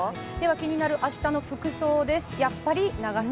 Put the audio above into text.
気になる明日の服装です。